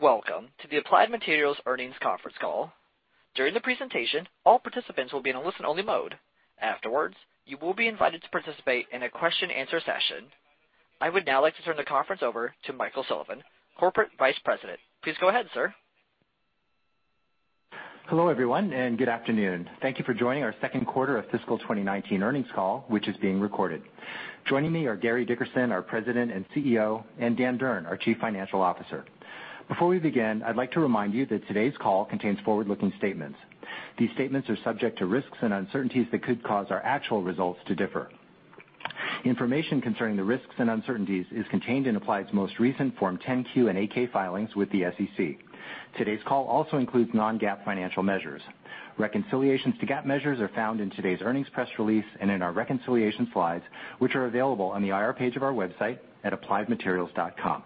Welcome to the Applied Materials earnings conference call. During the presentation, all participants will be in a listen-only mode. Afterwards, you will be invited to participate in a question-and-answer session. I would now like to turn the conference over to Mike Sullivan, Corporate Vice President. Please go ahead, sir. Hello, everyone, and good afternoon. Thank you for joining our second quarter of fiscal 2019 earnings call, which is being recorded. Joining me are Gary Dickerson, our President and CEO, and Dan Durn, our Chief Financial Officer. Before we begin, I'd like to remind you that today's call contains forward-looking statements. These statements are subject to risks and uncertainties that could cause our actual results to differ. Information concerning the risks and uncertainties is contained in Applied's most recent Form 10-Q and Form 8-K filings with the SEC. Today's call also includes non-GAAP financial measures. Reconciliations to GAAP measures are found in today's earnings press release and in our reconciliation slides, which are available on the IR page of our website at appliedmaterials.com.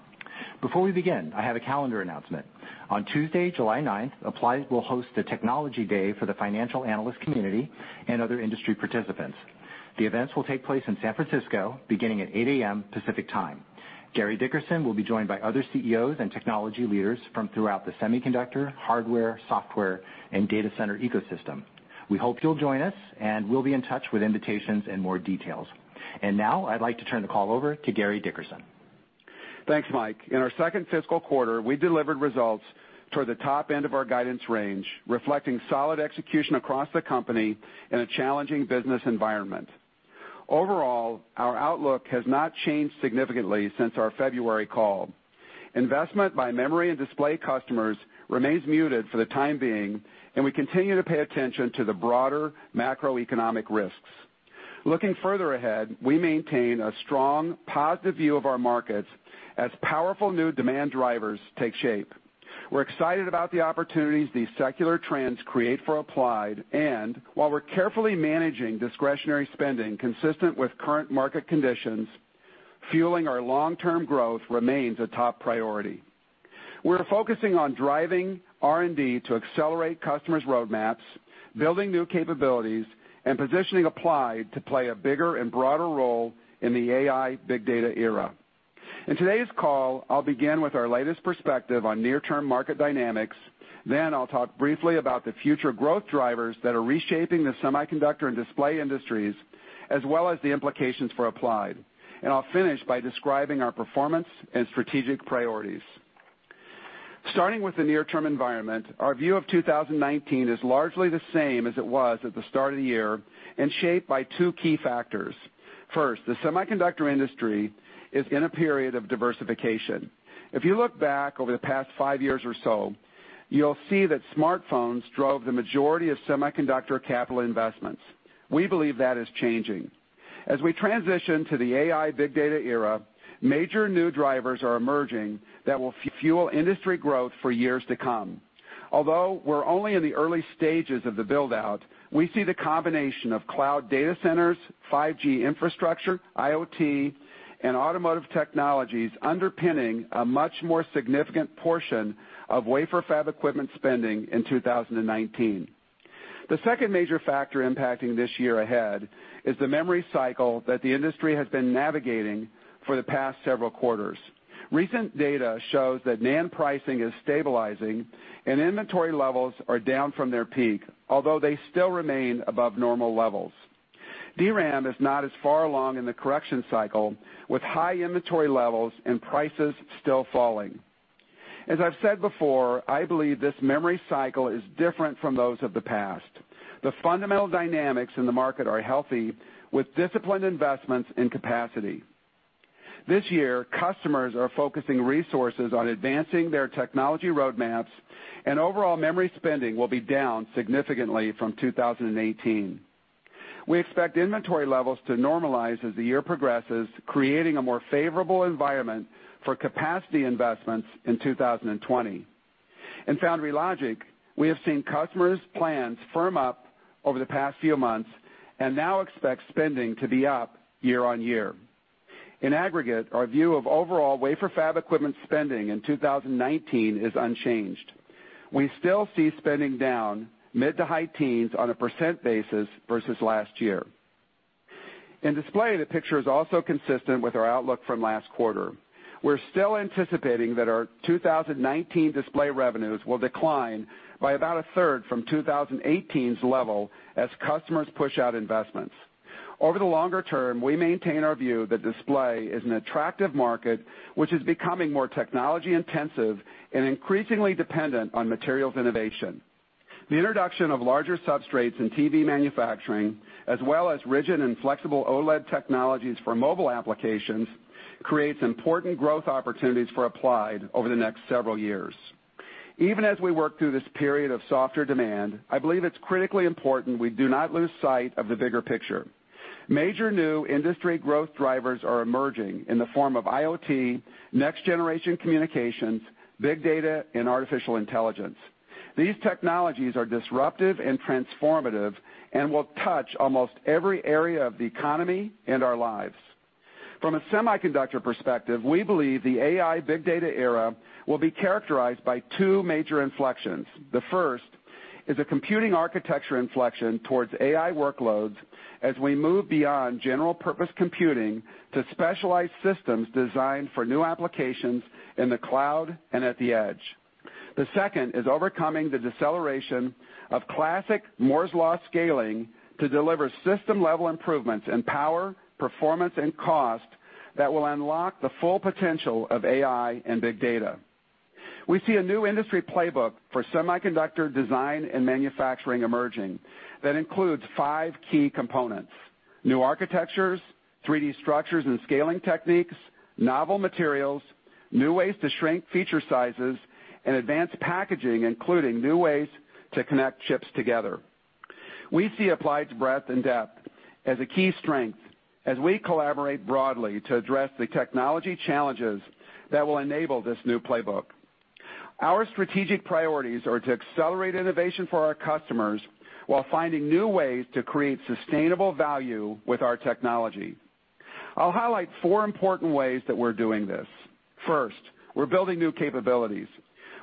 Before we begin, I have a calendar announcement. On Tuesday, July 9th, Applied will host a technology day for the financial analyst community and other industry participants. The events will take place in San Francisco, beginning at 8:00 A.M. Pacific Time. Gary Dickerson will be joined by other CEOs and technology leaders from throughout the semiconductor, hardware, software, and data center ecosystem. We hope you'll join us, and we'll be in touch with invitations and more details. Now I'd like to turn the call over to Gary Dickerson. Thanks, Mike. In our second fiscal quarter, we delivered results toward the top end of our guidance range, reflecting solid execution across the company in a challenging business environment. Overall, our outlook has not changed significantly since our February call. Investment by memory and display customers remains muted for the time being, and we continue to pay attention to the broader macroeconomic risks. Looking further ahead, we maintain a strong, positive view of our markets as powerful new demand drivers take shape. We're excited about the opportunities these secular trends create for Applied and while we're carefully managing discretionary spending consistent with current market conditions, fueling our long-term growth remains a top priority. We're focusing on driving R&D to accelerate customers' roadmaps, building new capabilities, and positioning Applied to play a bigger and broader role in the AI big data era. In today's call, I'll begin with our latest perspective on near-term market dynamics. I'll talk briefly about the future growth drivers that are reshaping the semiconductor and display industries, as well as the implications for Applied. I'll finish by describing our performance and strategic priorities. Starting with the near-term environment, our view of 2019 is largely the same as it was at the start of the year and shaped by two key factors. First, the semiconductor industry is in a period of diversification. If you look back over the past five years or so, you'll see that smartphones drove the majority of semiconductor capital investments. We believe that is changing. As we transition to the AI Big Data era, major new drivers are emerging that will fuel industry growth for years to come. Although we're only in the early stages of the build-out, we see the combination of cloud data centers, 5G infrastructure, IoT, and automotive technologies underpinning a much more significant portion of wafer fab equipment spending in 2019. The second major factor impacting this year ahead is the memory cycle that the industry has been navigating for the past several quarters. Recent data shows that NAND pricing is stabilizing and inventory levels are down from their peak, although they still remain above normal levels. DRAM is not as far along in the correction cycle, with high inventory levels and prices still falling. As I've said before, I believe this memory cycle is different from those of the past. The fundamental dynamics in the market are healthy, with disciplined investments in capacity. This year, customers are focusing resources on advancing their technology roadmaps. Overall memory spending will be down significantly from 2018. We expect inventory levels to normalize as the year progresses, creating a more favorable environment for capacity investments in 2020. In foundry logic, we have seen customers' plans firm up over the past few months and now expect spending to be up year-on-year. In aggregate, our view of overall wafer fab equipment spending in 2019 is unchanged. We still see spending down mid to high teens on a % basis versus last year. In display, the picture is also consistent with our outlook from last quarter. We're still anticipating that our 2019 display revenues will decline by about a third from 2018's level as customers push out investments. Over the longer term, we maintain our view that display is an attractive market which is becoming more technology-intensive and increasingly dependent on materials innovation. The introduction of larger substrates in TV manufacturing, as well as rigid and flex OLED technologies for mobile applications, creates important growth opportunities for Applied over the next several years. Even as we work through this period of softer demand, I believe it's critically important we do not lose sight of the bigger picture. Major new industry growth drivers are emerging in the form of IoT, next-generation communications, Big Data, and Artificial Intelligence. These technologies are disruptive and transformative and will touch almost every area of the economy and our lives. From a semiconductor perspective, we believe the AI Big Data era will be characterized by two major inflections. The first is a computing architecture inflection towards AI workloads as we move beyond general purpose computing to specialized systems designed for new applications in the cloud and at the edge. The second is overcoming the deceleration of classic Moore's Law scaling to deliver system-level improvements in power, performance, and cost that will unlock the full potential of AI and big data. We see a new industry playbook for semiconductor design and manufacturing emerging that includes five key components: new architectures, 3D structures and scaling techniques, novel materials, new ways to shrink feature sizes, and advanced packaging, including new ways to connect chips together. We see Applied's breadth and depth as a key strength as we collaborate broadly to address the technology challenges that will enable this new playbook. Our strategic priorities are to accelerate innovation for our customers while finding new ways to create sustainable value with our technology. I'll highlight four important ways that we're doing this. First, we're building new capabilities.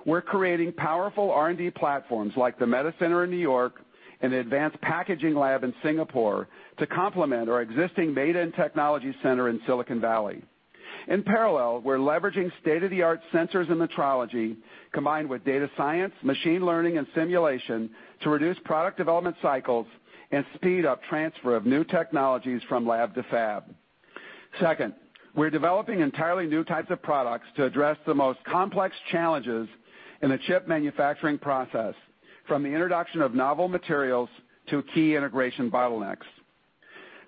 We're creating powerful R&D platforms like the META Center in N.Y. and the Advanced Packaging Lab in Singapore to complement our existing Maydan Technology Center in Silicon Valley. In parallel, we're leveraging state-of-the-art sensors and metrology, combined with data science, machine learning, and simulation to reduce product development cycles and speed up transfer of new technologies from lab to fab. Second, we're developing entirely new types of products to address the most complex challenges in the chip manufacturing process, from the introduction of novel materials to key integration bottlenecks.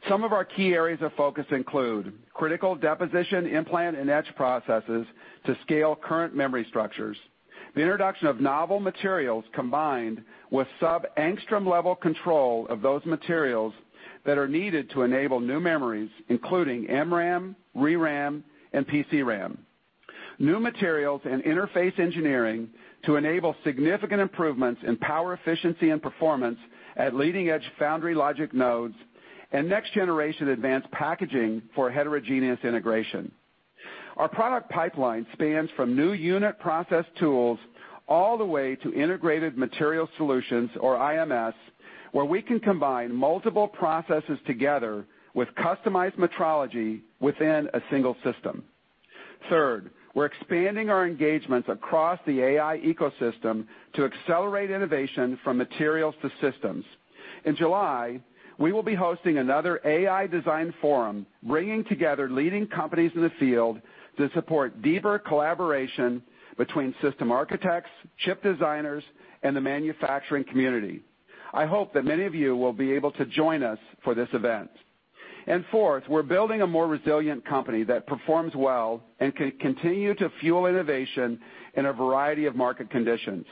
Some of our key areas of focus include critical deposition, implant, and etch processes to scale current memory structures. The introduction of novel materials combined with sub-angstrom level control of those materials that are needed to enable new memories, including MRAM, ReRAM, and PCRAM. New materials and interface engineering to enable significant improvements in power efficiency and performance at leading-edge foundry logic nodes, and next-generation advanced packaging for heterogeneous integration. Our product pipeline spans from new unit process tools all the way to integrated material solutions or IMS, where we can combine multiple processes together with customized metrology within a single system. Third, we're expanding our engagements across the AI ecosystem to accelerate innovation from materials to systems. In July, we will be hosting another AI Design Forum, bringing together leading companies in the field to support deeper collaboration between system architects, chip designers, and the manufacturing community. I hope that many of you will be able to join us for this event. Fourth, we're building a more resilient company that performs well and can continue to fuel innovation in a variety of market conditions.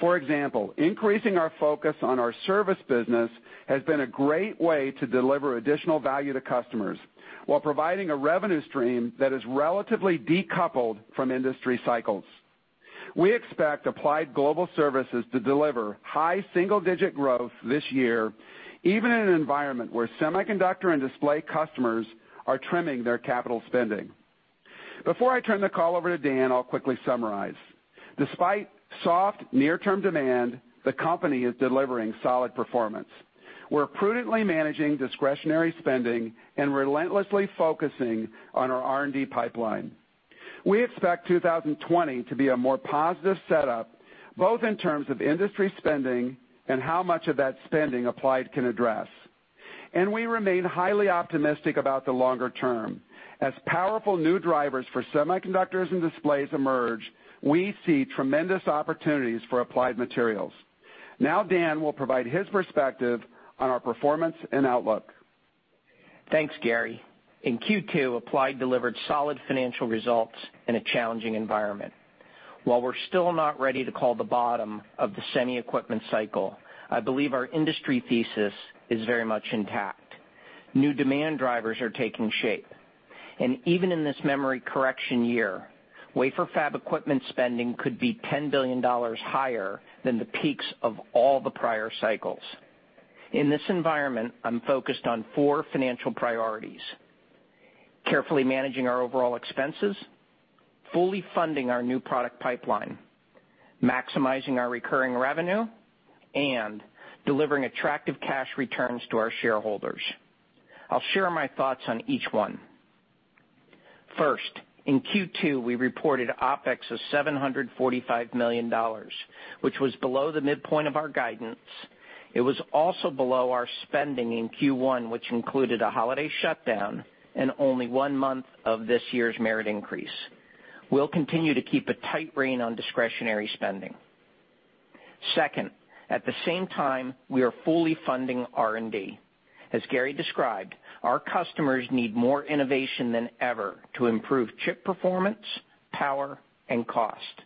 For example, increasing our focus on our service business has been a great way to deliver additional value to customers while providing a revenue stream that is relatively decoupled from industry cycles. We expect Applied Global Services to deliver high single-digit growth this year, even in an environment where semiconductor and display customers are trimming their capital spending. Before I turn the call over to Dan, I'll quickly summarize. Despite soft near-term demand, the company is delivering solid performance. We're prudently managing discretionary spending and relentlessly focusing on our R&D pipeline. We expect 2020 to be a more positive setup, both in terms of industry spending and how much of that spending Applied can address. We remain highly optimistic about the longer term. As powerful new drivers for semiconductors and displays emerge, we see tremendous opportunities for Applied Materials. Now Dan will provide his perspective on our performance and outlook. Thanks, Gary. In Q2, Applied delivered solid financial results in a challenging environment. While we're still not ready to call the bottom of the semi equipment cycle, I believe our industry thesis is very much intact. New demand drivers are taking shape, and even in this memory correction year, wafer fab equipment spending could be $10 billion higher than the peaks of all the prior cycles. In this environment, I'm focused on four financial priorities: carefully managing our overall expenses, fully funding our new product pipeline, maximizing our recurring revenue, and delivering attractive cash returns to our shareholders. I'll share my thoughts on each one. First, in Q2, we reported OpEx of $745 million, which was below the midpoint of our guidance. It was also below our spending in Q1, which included a holiday shutdown and only one month of this year's merit increase. We'll continue to keep a tight rein on discretionary spending. Second, at the same time, we are fully funding R&D. As Gary described, our customers need more innovation than ever to improve chip performance, power, and cost.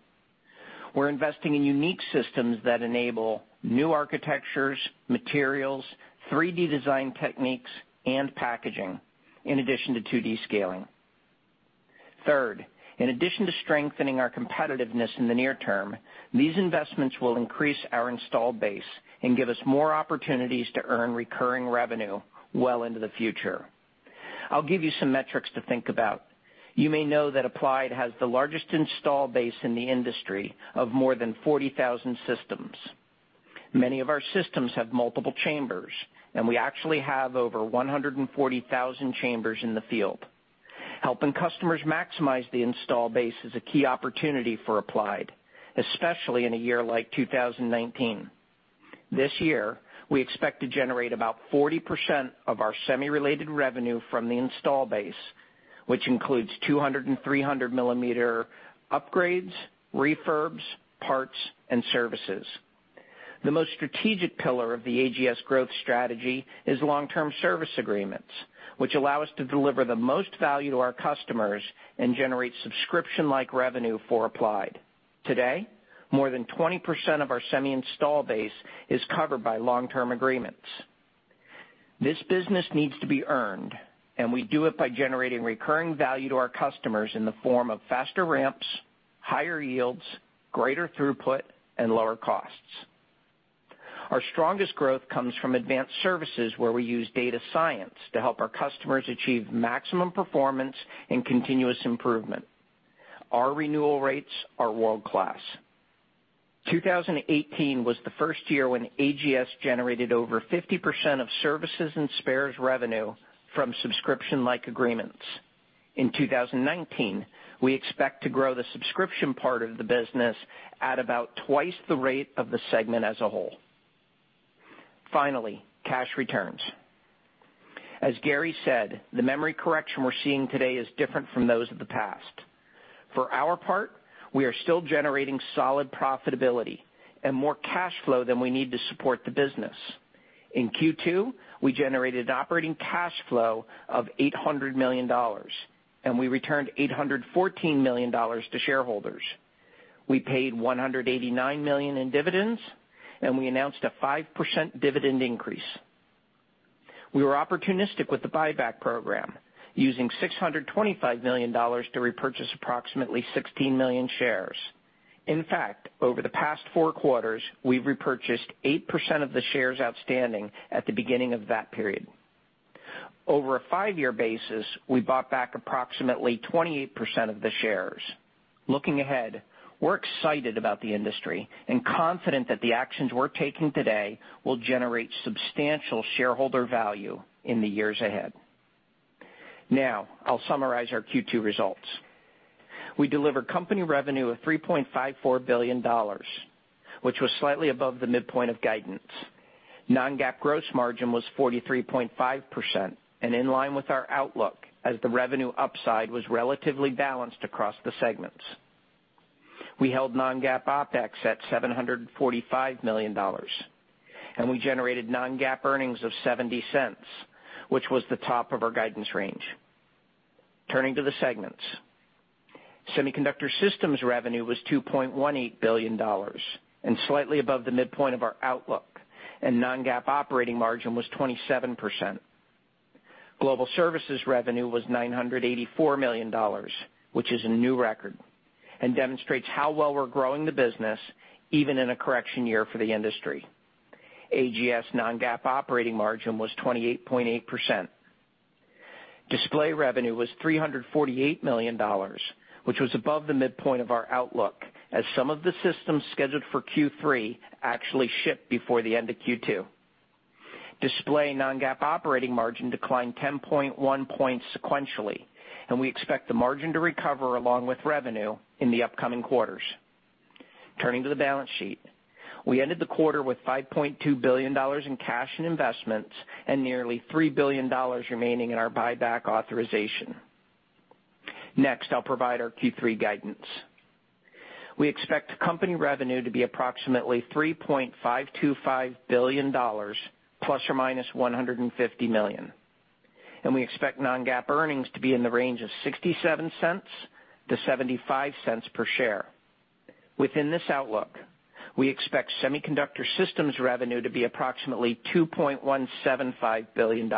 We're investing in unique systems that enable new architectures, materials, 3D design techniques, and packaging in addition to 2D scaling. Third, in addition to strengthening our competitiveness in the near term, these investments will increase our install base and give us more opportunities to earn recurring revenue well into the future. I'll give you some metrics to think about. You may know that Applied has the largest install base in the industry of more than 40,000 systems. Many of our systems have multiple chambers, and we actually have over 140,000 chambers in the field. Helping customers maximize the install base is a key opportunity for Applied, especially in a year like 2019. This year, we expect to generate about 40% of our semi-related revenue from the install base, which includes 200 and 300 millimeter upgrades, refurbs, parts, and services. The most strategic pillar of the AGS growth strategy is long-term service agreements, which allow us to deliver the most value to our customers and generate subscription-like revenue for Applied. Today, more than 20% of our semi install base is covered by long-term agreements. This business needs to be earned, and we do it by generating recurring value to our customers in the form of faster ramps, higher yields, greater throughput, and lower costs. Our strongest growth comes from advanced services where we use data science to help our customers achieve maximum performance and continuous improvement. Our renewal rates are world-class. 2018 was the first year when AGS generated over 50% of services and spares revenue from subscription-like agreements. In 2019, we expect to grow the subscription part of the business at about twice the rate of the segment as a whole. Finally, cash returns. As Gary said, the memory correction we're seeing today is different from those of the past. For our part, we are still generating solid profitability and more cash flow than we need to support the business. In Q2, we generated operating cash flow of $800 million, and we returned $814 million to shareholders. We paid $189 million in dividends, and we announced a 5% dividend increase. We were opportunistic with the buyback program, using $625 million to repurchase approximately 16 million shares. In fact, over the past four quarters, we've repurchased 8% of the shares outstanding at the beginning of that period. Over a five-year basis, we bought back approximately 28% of the shares. Looking ahead, we're excited about the industry and confident that the actions we're taking today will generate substantial shareholder value in the years ahead. I'll summarize our Q2 results. We delivered company revenue of $3.54 billion, which was slightly above the midpoint of guidance. Non-GAAP gross margin was 43.5% and in line with our outlook as the revenue upside was relatively balanced across the segments. We held non-GAAP OpEx at $745 million, and we generated non-GAAP earnings of $0.70, which was the top of our guidance range. Turning to the segments. Semiconductor systems revenue was $2.18 billion and slightly above the midpoint of our outlook, and non-GAAP operating margin was 27%. Global Services revenue was $984 million, which is a new record and demonstrates how well we're growing the business even in a correction year for the industry. AGS non-GAAP operating margin was 28.8%. Display revenue was $348 million, which was above the midpoint of our outlook, as some of the systems scheduled for Q3 actually shipped before the end of Q2. Display non-GAAP operating margin declined 10.1 points sequentially, and we expect the margin to recover along with revenue in the upcoming quarters. Turning to the balance sheet. We ended the quarter with $5.2 billion in cash and investments and nearly $3 billion remaining in our buyback authorization. I'll provide our Q3 guidance. We expect company revenue to be approximately $3.525 billion ±$150 million, and we expect non-GAAP earnings to be in the range of $0.67-$0.75 per share. Within this outlook, we expect semiconductor systems revenue to be approximately $2.175 billion.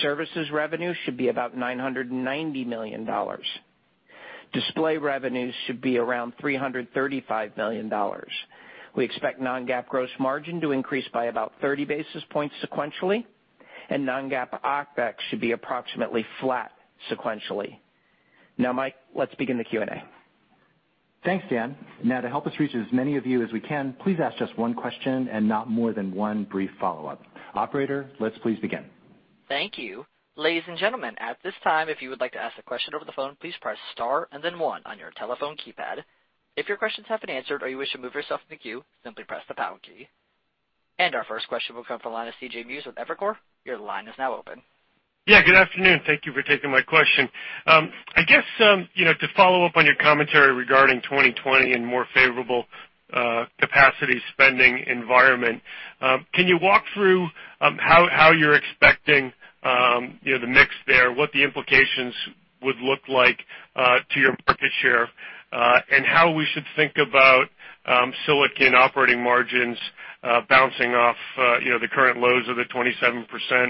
Services revenue should be about $990 million. Display revenues should be around $335 million. We expect non-GAAP gross margin to increase by about 30 basis points sequentially, and non-GAAP OpEx should be approximately flat sequentially. Mike, let's begin the Q&A. Thanks, Dan. To help us reach as many of you as we can, please ask just one question and not more than one brief follow-up. Operator, let's please begin. Thank you. Ladies and gentlemen, at this time, if you would like to ask a question over the phone, please press star and then one on your telephone keypad. If your questions have been answered or you wish to move yourself in the queue, simply press the pound key. Our first question will come from the line of C.J. Muse with Evercore. Your line is now open. Good afternoon. Thank you for taking my question. To follow up on your commentary regarding 2020 and more favorable capacity spending environment, can you walk through how you're expecting the mix there, what the implications would look like to your market share, and how we should think about silicon operating margins bouncing off the current lows of the 27%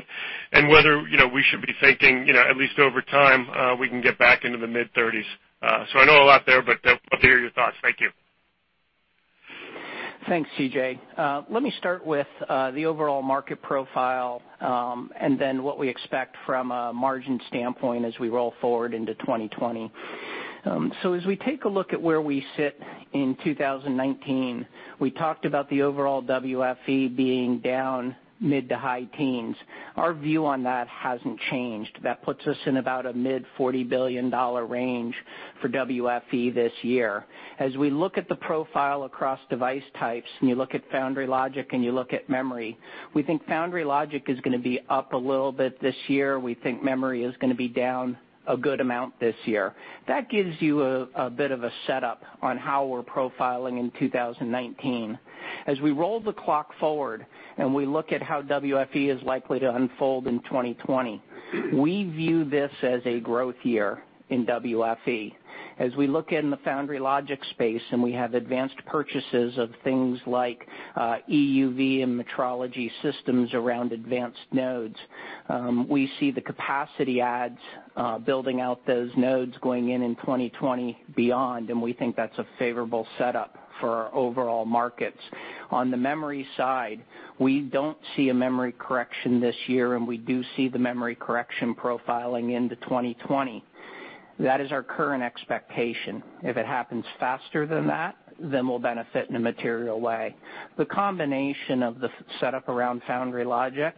and whether we should be thinking, at least over time, we can get back into the mid-30s. I know a lot there, but I'd love to hear your thoughts. Thank you. Thanks, C.J. Let me start with the overall market profile, what we expect from a margin standpoint as we roll forward into 2020. As we take a look at where we sit in 2019, we talked about the overall WFE being down mid to high teens. Our view on that hasn't changed. That puts us in about a mid $40 billion range for WFE this year. As we look at the profile across device types, you look at foundry logic, you look at memory, we think foundry logic is going to be up a little bit this year. We think memory is going to be down a good amount this year. That gives you a bit of a setup on how we're profiling in 2019. As we roll the clock forward and we look at how WFE is likely to unfold in 2020, we view this as a growth year in WFE. As we look in the foundry logic space, and we have advanced purchases of things like EUV and metrology systems around advanced nodes, we see the capacity adds building out those nodes going in in 2020 beyond, and we think that's a favorable setup for our overall markets. On the memory side, we don't see a memory correction this year, and we do see the memory correction profiling into 2020. That is our current expectation. If it happens faster than that, then we'll benefit in a material way. The combination of the setup around foundry logic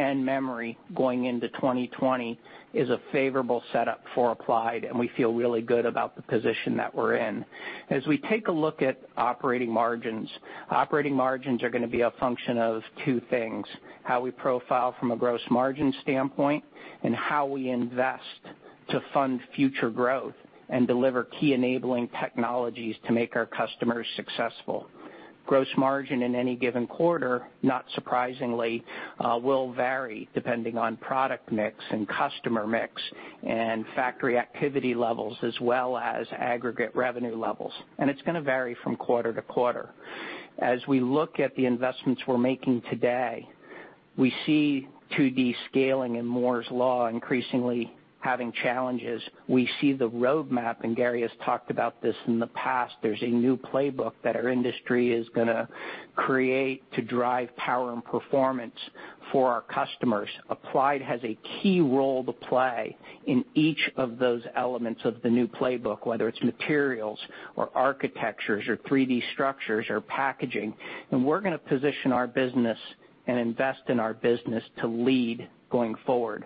and memory going into 2020 is a favorable setup for Applied, and we feel really good about the position that we're in. As we take a look at operating margins, operating margins are going to be a function of two things: how we profile from a gross margin standpoint, and how we invest to fund future growth and deliver key enabling technologies to make our customers successful. Gross margin in any given quarter, not surprisingly, will vary depending on product mix and customer mix and factory activity levels, as well as aggregate revenue levels. It's going to vary from quarter to quarter. As we look at the investments we're making today, we see 2D scaling and Moore's Law increasingly having challenges. We see the roadmap, and Gary has talked about this in the past. There's a new playbook that our industry is going to create to drive power and performance for our customers. Applied has a key role to play in each of those elements of the new playbook, whether it's materials or architectures or 3D structures or packaging, and we're going to position our business and invest in our business to lead going forward.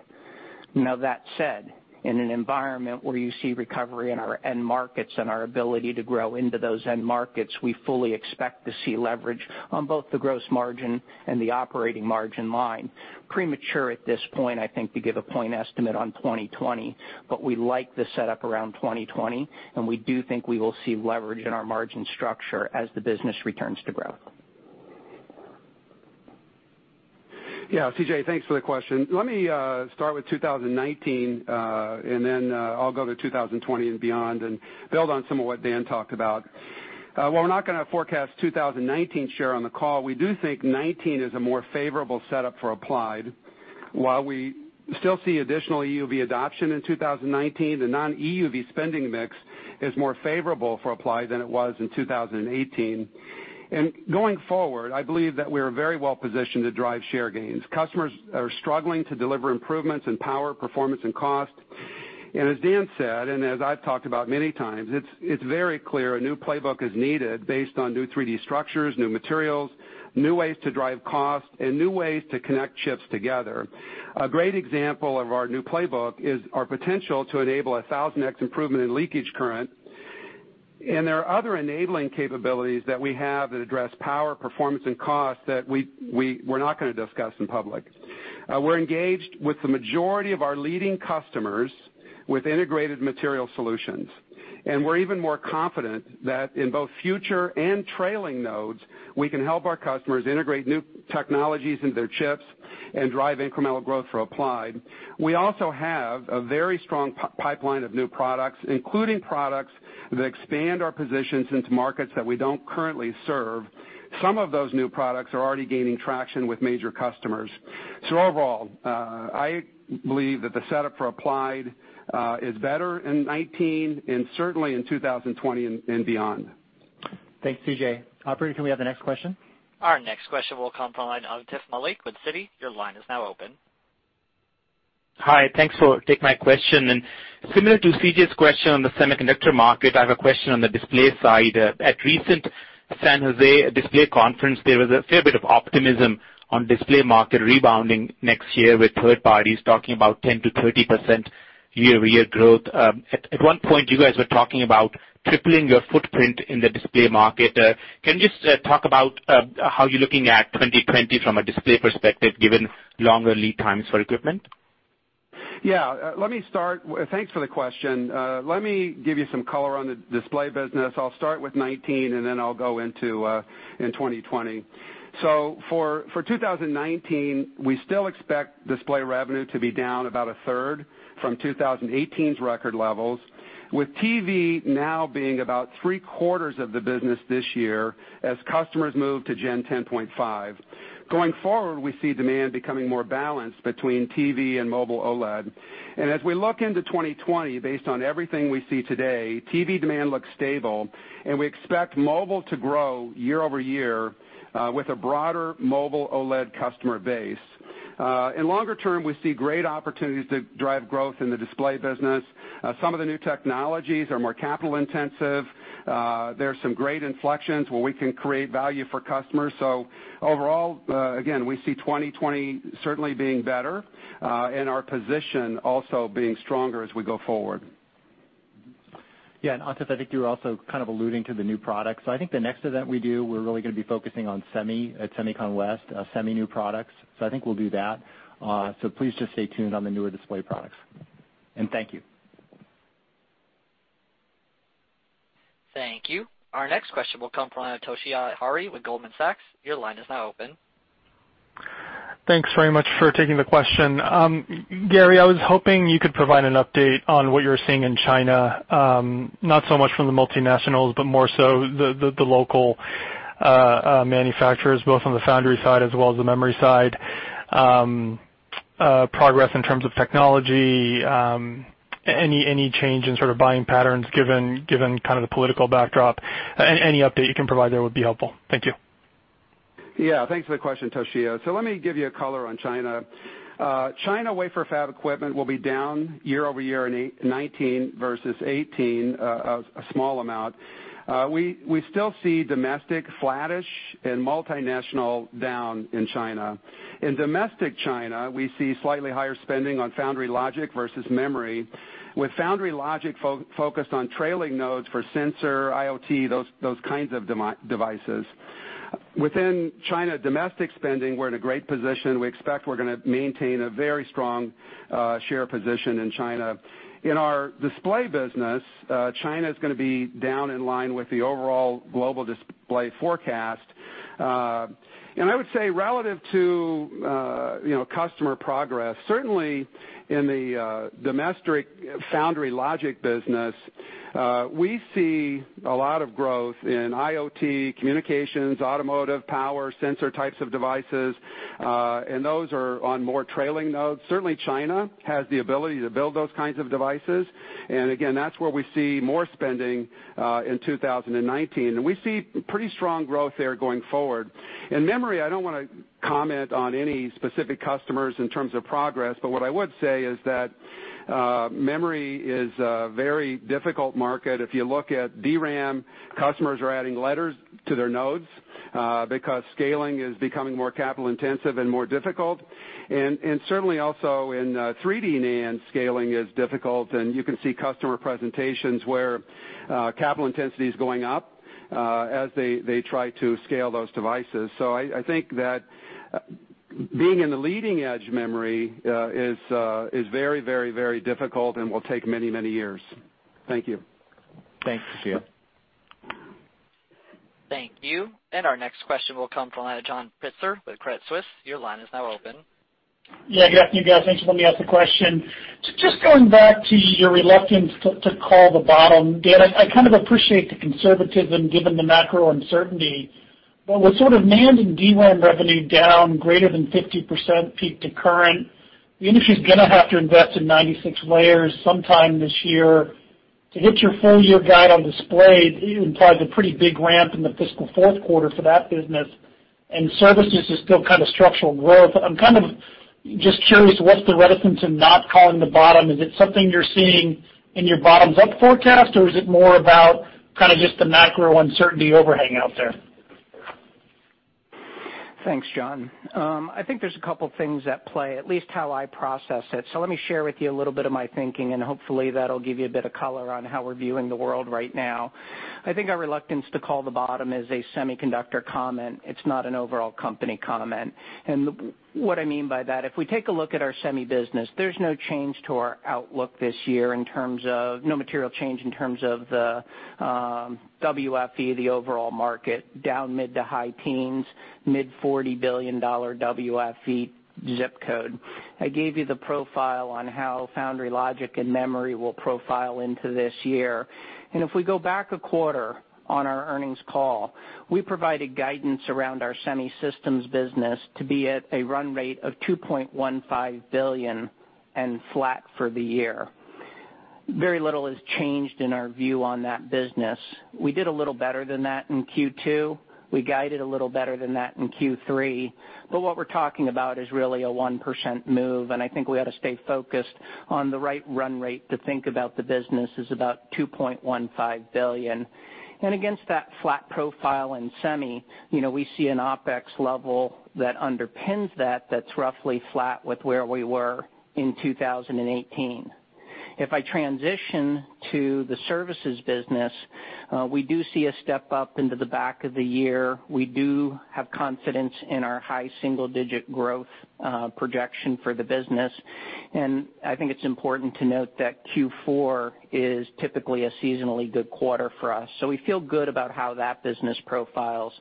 That said, in an environment where you see recovery in our end markets and our ability to grow into those end markets, we fully expect to see leverage on both the gross margin and the operating margin line. Premature at this point, I think, to give a point estimate on 2020. We like the setup around 2020, and we do think we will see leverage in our margin structure as the business returns to growth. Yeah, C.J., thanks for the question. Let me start with 2019, and then I'll go to 2020 and beyond and build on some of what Dan talked about. While we're not going to forecast 2019 share on the call, we do think '19 is a more favorable setup for Applied. While we still see additional EUV adoption in 2019, the non-EUV spending mix is more favorable for Applied than it was in 2018. Going forward, I believe that we're very well-positioned to drive share gains. Customers are struggling to deliver improvements in power, performance, and cost. As Dan said, and as I've talked about many times, it's very clear a new playbook is needed based on new 3D structures, new materials, new ways to drive cost, and new ways to connect chips together. A great example of our new playbook is our potential to enable 1,000x improvement in leakage current, there are other enabling capabilities that we have that address power, performance, and cost that we're not going to discuss in public. We're engaged with the majority of our leading customers with integrated material solutions, and we're even more confident that in both future and trailing nodes, we can help our customers integrate new technologies into their chips and drive incremental growth for Applied. We also have a very strong pipeline of new products, including products that expand our positions into markets that we don't currently serve. Some of those new products are already gaining traction with major customers. Overall, I believe that the setup for Applied is better in 2019 and certainly in 2020 and beyond. Thanks, C.J. Operator, can we have the next question? Our next question will come from the line of Atif Malik with Citi. Your line is now open. Hi. Thanks for taking my question. Similar to C.J.'s question on the semiconductor market, I have a question on the display side. At recent San Jose display conference, there was a fair bit of optimism on display market rebounding next year with third parties talking about 10%-30% year-over-year growth. At one point, you guys were talking about tripling your footprint in the display market. Can you just talk about how you're looking at 2020 from a display perspective, given longer lead times for equipment? Thanks for the question. Let me give you some color on the display business. I'll start with 2019, then I'll go into 2020. For 2019, we still expect display revenue to be down about a third from 2018's record levels, with TV now being about three-quarters of the business this year as customers move to Gen 10.5. Going forward, we see demand becoming more balanced between TV and mobile OLED. As we look into 2020, based on everything we see today, TV demand looks stable, and we expect mobile to grow year-over-year, with a broader mobile OLED customer base. In longer term, we see great opportunities to drive growth in the display business. Some of the new technologies are more capital-intensive. There's some great inflections where we can create value for customers. Overall, again, we see 2020 certainly being better, and our position also being stronger as we go forward. Atif, I think you were also kind of alluding to the new products. I think the next event we do, we're really going to be focusing on semi at SEMICON West, semi new products. I think we'll do that. Please just stay tuned on the newer display products. Thank you. Thank you. Our next question will come from Toshiya Hari with Goldman Sachs. Your line is now open. Thanks very much for taking the question. Gary, I was hoping you could provide an update on what you're seeing in China, not so much from the multinationals, but more so the local manufacturers, both on the foundry side as well as the memory side, progress in terms of technology, any change in sort of buying patterns given kind of the political backdrop. Any update you can provide there would be helpful. Thank you. Yeah. Thanks for the question, Toshiya. Let me give you a color on China. China wafer fab equipment will be down year-over-year in 2019 versus 2018, a small amount. We still see domestic flattish and multinational down in China. In domestic China, we see slightly higher spending on foundry logic versus memory, with foundry logic focused on trailing nodes for sensor, IoT, those kinds of devices. Within China domestic spending, we're in a great position. We expect we're going to maintain a very strong share position in China. In our display business, China's going to be down in line with the overall global display forecast. I would say relative to customer progress, certainly in the domestic foundry logic business, we see a lot of growth in IoT, communications, automotive, power sensor types of devices, and those are on more trailing nodes. Certainly, China has the ability to build those kinds of devices, and again, that's where we see more spending in 2019. We see pretty strong growth there going forward. In memory, I don't want to comment on any specific customers in terms of progress, but what I would say is that memory is a very difficult market. If you look at DRAM, customers are adding letters to their nodes, because scaling is becoming more capital-intensive and more difficult. Certainly also in 3D NAND, scaling is difficult, and you can see customer presentations where capital intensity is going up as they try to scale those devices. I think that being in the leading-edge memory is very difficult and will take many years. Thank you. Thanks, Toshiya. Thank you. Our next question will come from John Pitzer with Credit Suisse. Your line is now open. Yeah. Good afternoon, guys. Thanks for letting me ask the question. Just going back to your reluctance to call the bottom, Dan, I kind of appreciate the conservatism given the macro uncertainty, but with sort of NAND and DRAM revenue down greater than 50% peak to current, the industry's going to have to invest in 96 layers sometime this year. To hit your full-year guide on display, it implies a pretty big ramp in the fiscal fourth quarter for that business, and services is still kind of structural growth. I'm kind of just curious, what's the reticence in not calling the bottom? Is it something you're seeing in your bottoms-up forecast, or is it more about kind of just the macro uncertainty overhang out there? Thanks, John. I think there's a couple things at play, at least how I process it. Let me share with you a little bit of my thinking, and hopefully that'll give you a bit of color on how we're viewing the world right now. I think our reluctance to call the bottom is a semiconductor comment. It's not an overall company comment. What I mean by that, if we take a look at our semi business, there's no change to our outlook this year, no material change in terms of the WFE, the overall market, down mid to high teens, mid $40 billion WFE ZIP code. I gave you the profile on how foundry logic and memory will profile into this year. If we go back a quarter on our earnings call, we provided guidance around our semi systems business to be at a run rate of $2.15 billion and flat for the year. Very little has changed in our view on that business. We did a little better than that in Q2. We guided a little better than that in Q3. What we're talking about is really a 1% move, and I think we ought to stay focused on the right run rate to think about the business is about $2.15 billion. Against that flat profile in semi, we see an OpEx level that underpins that that's roughly flat with where we were in 2018. If I transition to the services business, we do see a step-up into the back of the year. We do have confidence in our high single-digit growth projection for the business. I think it's important to note that Q4 is typically a seasonally good quarter for us. We feel good about how that business profiles.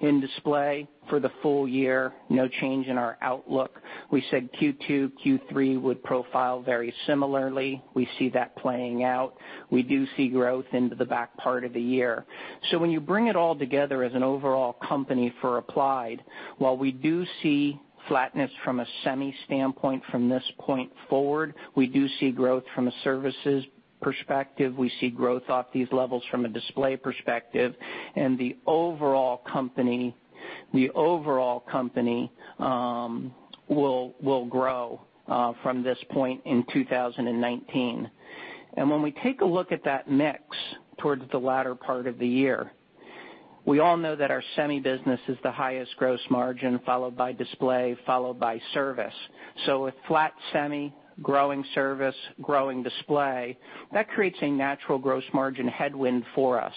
In display for the full year, no change in our outlook. We said Q2, Q3 would profile very similarly. We see that playing out. We do see growth into the back part of the year. When you bring it all together as an overall company for Applied, while we do see flatness from a semi standpoint from this point forward, we do see growth from a services perspective. We see growth off these levels from a display perspective, and the overall company will grow from this point in 2019. When we take a look at that mix towards the latter part of the year, we all know that our semi business is the highest gross margin, followed by display, followed by service. With flat semi, growing service, growing display, that creates a natural gross margin headwind for us.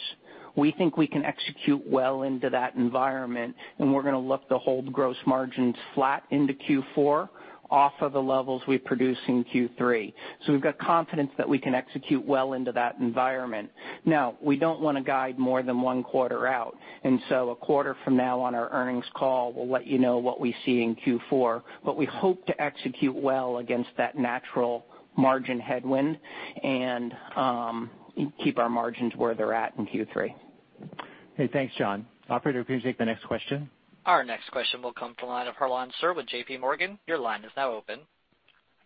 We think we can execute well into that environment, and we're going to look to hold gross margins flat into Q4 off of the levels we produce in Q3. We've got confidence that we can execute well into that environment. We don't want to guide more than one quarter out. A quarter from now on our earnings call, we'll let you know what we see in Q4. We hope to execute well against that natural margin headwind and keep our margins where they're at in Q3. Hey, thanks, John. Operator, can you take the next question? Our next question will come from the line of Harlan Sur with JPMorgan. Your line is now open.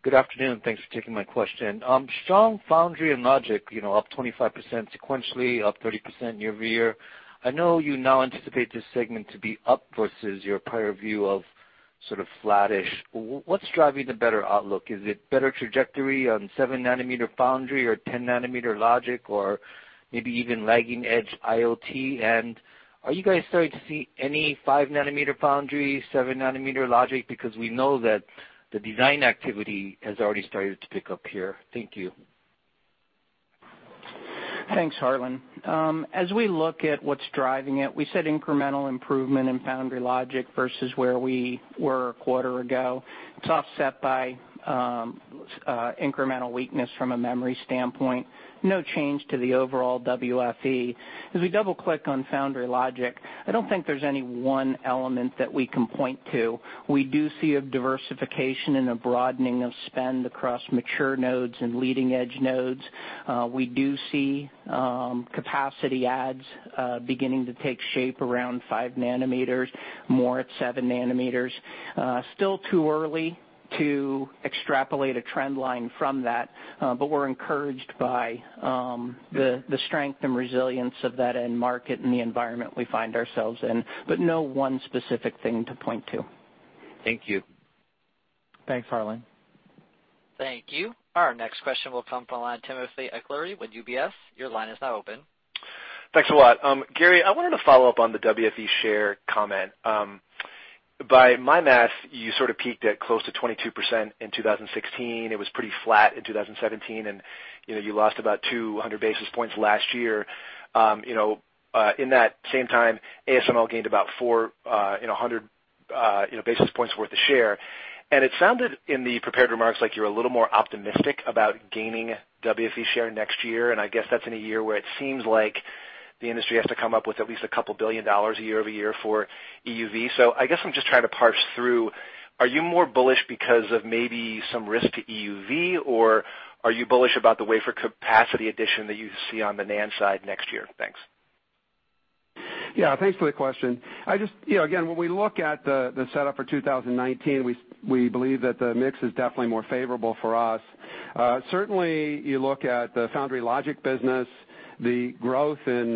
Good afternoon, and thanks for taking my question. Strong foundry and logic, up 25% sequentially, up 30% year-over-year. You now anticipate this segment to be up versus your prior view of sort of flattish. What's driving the better outlook? Is it better trajectory on 7-nanometer foundry or 10-nanometer logic or maybe even lagging edge IoT? Are you guys starting to see any 5-nanometer foundry, 7-nanometer logic? We know that the design activity has already started to pick up here. Thank you. Thanks, Harlan. We look at what's driving it, we said incremental improvement in foundry logic versus where we were a quarter ago. It's offset by incremental weakness from a memory standpoint. No change to the overall WFE. We double-click on foundry logic, I don't think there's any one element that we can point to. We do see a diversification and a broadening of spend across mature nodes and leading-edge nodes. We do see capacity adds beginning to take shape around 5-nanometers, more at 7-nanometers. Still too early to extrapolate a trend line from that, but we're encouraged by the strength and resilience of that end market and the environment we find ourselves in, but no one specific thing to point to. Thank you. Thanks, Harlan. Thank you. Our next question will come from the line of Timothy Arcuri with UBS. Your line is now open. Thanks a lot. Gary, I wanted to follow up on the WFE share comment. By my math, you sort of peaked at close to 22% in 2016. It was pretty flat in 2017, and you lost about 200 basis points last year. In that same time, ASML gained about 400 basis points worth of share. It sounded in the prepared remarks like you're a little more optimistic about gaining WFE share next year, and I guess that's in a year where it seems like the industry has to come up with at least a couple billion dollars year-over-year for EUV. I guess I'm just trying to parse through, are you more bullish because of maybe some risk to EUV, or are you bullish about the wafer capacity addition that you see on the NAND side next year? Thanks. Yeah, thanks for the question. Again, when we look at the setup for 2019, we believe that the mix is definitely more favorable for us. Certainly, you look at the foundry logic business, the growth in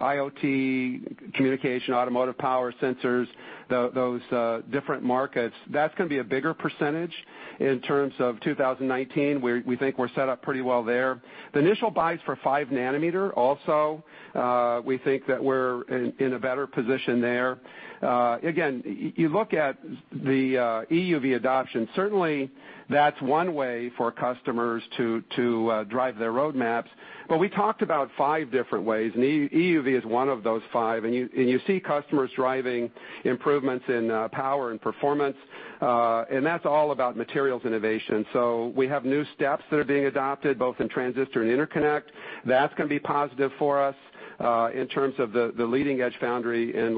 IoT, communication, automotive power sensors, those different markets, that's going to be a bigger percentage in terms of 2019. We think we're set up pretty well there. The initial buys for 5 nanometer also, we think that we're in a better position there. Again, you look at the EUV adoption, certainly that's one way for customers to drive their roadmaps, but we talked about five different ways, and EUV is one of those five. You see customers driving improvements in power and performance, and that's all about materials innovation. We have new steps that are being adopted, both in transistor and interconnect. That's going to be positive for us in terms of the leading edge foundry and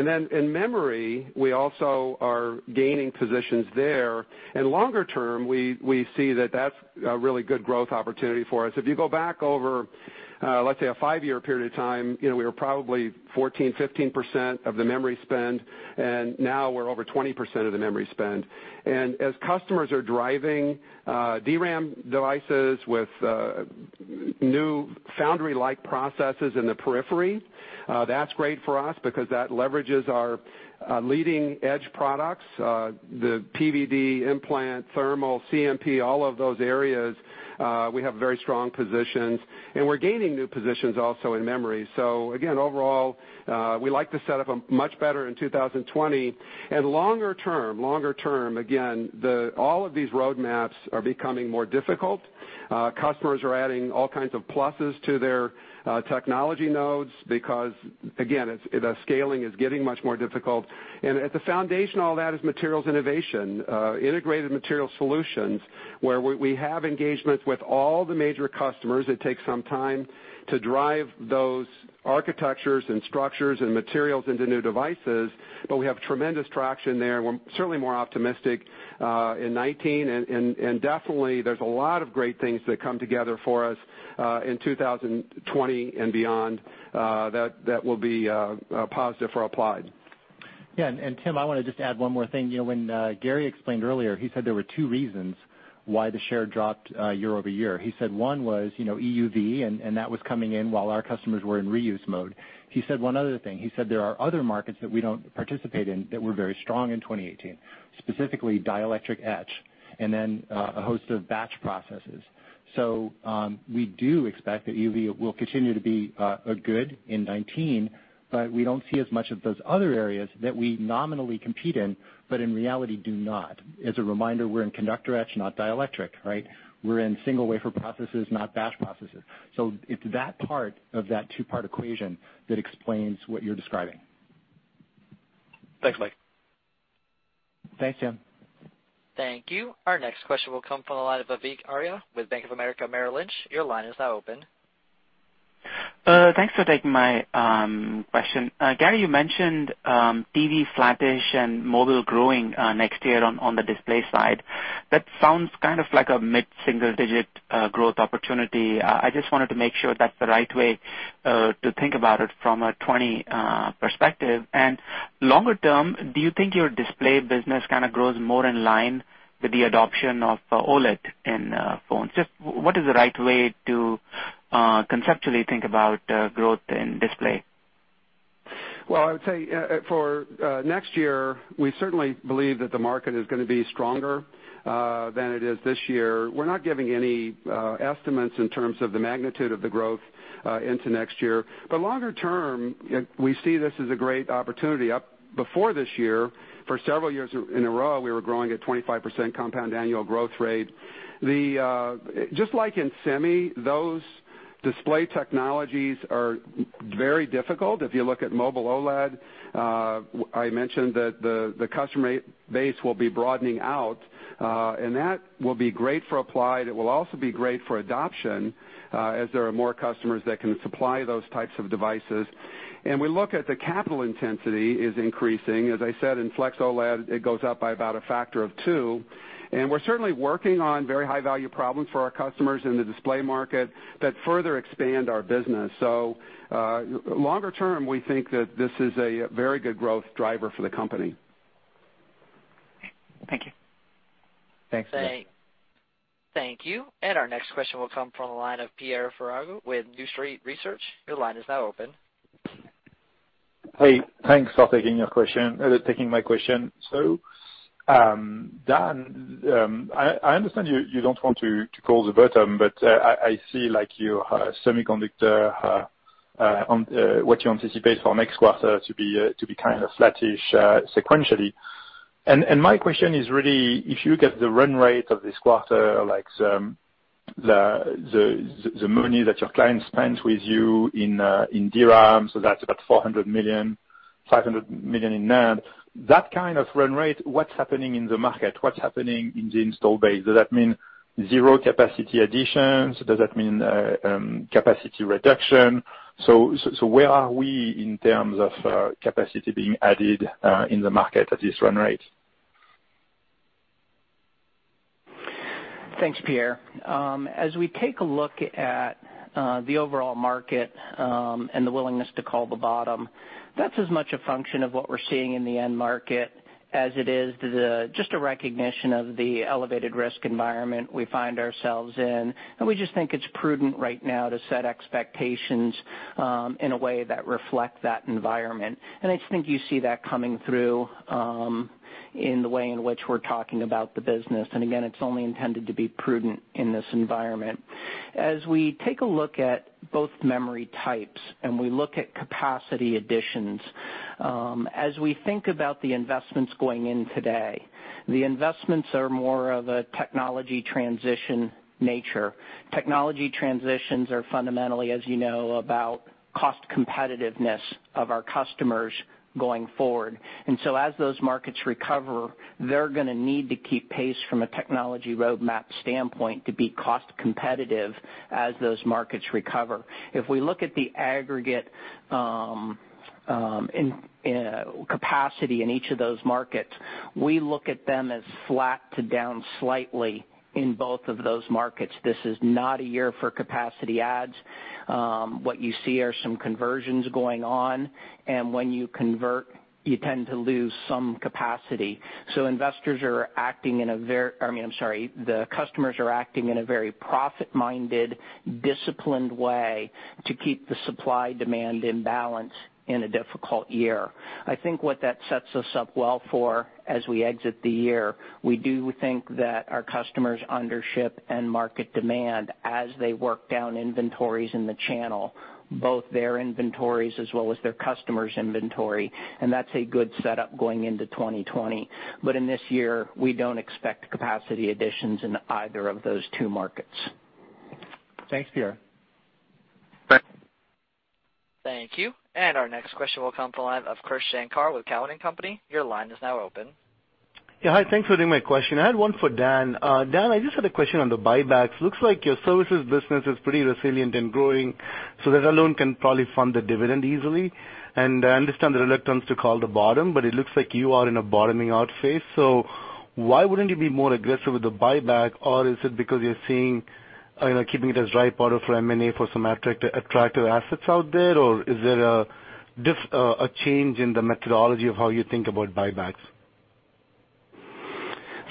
logic. In memory, we also are gaining positions there. Longer term, we see that that's a really good growth opportunity for us. If you go back over, let's say, a five-year period of time, we were probably 14%, 15% of the memory spend, and now we're over 20% of the memory spend. As customers are driving DRAM devices with new foundry-like processes in the periphery, that's great for us because that leverages our leading edge products. The PVD implant, thermal, CMP, all of those areas, we have very strong positions, and we're gaining new positions also in memory. Again, overall, we like the setup much better in 2020. Longer term, again, all of these roadmaps are becoming more difficult. Customers are adding all kinds of pluses to their technology nodes because, again, the scaling is getting much more difficult. At the foundation of all that is materials innovation, integrated material solutions, where we have engagements with all the major customers. It takes some time to drive those architectures and structures and materials into new devices, we have tremendous traction there, and we're certainly more optimistic in 2019. Definitely, there's a lot of great things that come together for us in 2020 and beyond that will be positive for Applied. Yeah, Tim, I want to just add one more thing. When Gary explained earlier, he said there were two reasons Why the share dropped year-over-year. He said one was EUV, that was coming in while our customers were in reuse mode. He said one other thing. He said there are other markets that we don't participate in that were very strong in 2018, specifically dielectric etch, a host of batch processes. We do expect that EUV will continue to be good in 2019, we don't see as much of those other areas that we nominally compete in reality, do not. As a reminder, we're in conductor etch, not dielectric, right? We're in single wafer processes, not batch processes. It's that part of that two-part equation that explains what you're describing. Thanks, Mike. Thanks, Timothy. Thank you. Our next question will come from the line of Vivek Arya with Bank of America Merrill Lynch. Your line is now open. Thanks for taking my question. Gary, you mentioned TV flattish and mobile growing next year on the display side. That sounds kind of like a mid-single-digit growth opportunity. I just wanted to make sure that's the right way to think about it from a 2020 perspective. Longer term, do you think your display business kind of grows more in line with the adoption of OLED in phones? Just what is the right way to conceptually think about growth in display? Well, I would say for next year, we certainly believe that the market is going to be stronger than it is this year. We're not giving any estimates in terms of the magnitude of the growth into next year. Longer term, we see this as a great opportunity. Before this year, for several years in a row, we were growing at 25% compound annual growth rate. Just like in semi, those display technologies are very difficult. If you look at mobile OLED, I mentioned that the customer base will be broadening out. That will be great for Applied. It will also be great for adoption, as there are more customers that can supply those types of devices. We look at the capital intensity is increasing. As I said, in flex OLED, it goes up by about a factor of 2. We're certainly working on very high-value problems for our customers in the display market that further expand our business. Longer term, we think that this is a very good growth driver for the company. Thank you. Thanks. Thank you. Our next question will come from the line of Pierre Ferragu with New Street Research. Your line is now open. Hey, thanks for taking my question. Dan, I understand you don't want to call the bottom, but I see your semiconductor, what you anticipate for next quarter to be kind of flattish sequentially. My question is really, if you get the run rate of this quarter, like the money that your client spent with you in DRAM, that's about $400 million, $500 million in NAND. That kind of run rate, what's happening in the market? What's happening in the install base? Does that mean zero capacity additions? Does that mean capacity reduction? Where are we in terms of capacity being added in the market at this run rate? Thanks, Pierre. As we take a look at the overall market, the willingness to call the bottom, that's as much a function of what we're seeing in the end market as it is just a recognition of the elevated risk environment we find ourselves in. We just think it's prudent right now to set expectations in a way that reflect that environment. I think you see that coming through, in the way in which we're talking about the business, again, it's only intended to be prudent in this environment. As we take a look at both memory types, we look at capacity additions, as we think about the investments going in today, the investments are more of a technology transition nature. Technology transitions are fundamentally, as you know, about cost competitiveness of our customers going forward. As those markets recover, they're going to need to keep pace from a technology roadmap standpoint to be cost competitive as those markets recover. If we look at the aggregate capacity in each of those markets, we look at them as flat to down slightly in both of those markets. This is not a year for capacity adds. What you see are some conversions going on, and when you convert, you tend to lose some capacity. The customers are acting in a very profit-minded, disciplined way to keep the supply-demand in balance in a difficult year. I think what that sets us up well for as we exit the year, we do think that our customers undership end market demand as they work down inventories in the channel, both their inventories as well as their customers' inventory, That's a good setup going into 2020. In this year, we don't expect capacity additions in either of those two markets. Thanks, Pierre. Thank you. Our next question will come from the line of Krish Sankar with Cowen and Company. Your line is now open. Yeah, hi. Thanks for taking my question. I had one for Dan. Dan, I just had a question on the buybacks. Looks like your services business is pretty resilient and growing, so that alone can probably fund the dividend easily. I understand the reluctance to call the bottom, but it looks like you are in a bottoming-out phase. Why wouldn't you be more aggressive with the buyback, or is it because you're seeing keeping it as dry powder for M&A for some attractive assets out there? Is there a change in the methodology of how you think about buybacks?